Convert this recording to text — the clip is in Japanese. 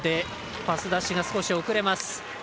パス出しが少し遅れます。